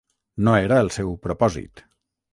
No era el seu propòsit.